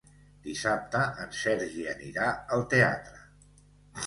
Dissabte en Sergi anirà al teatre.